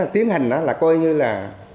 tiến hành là coi như là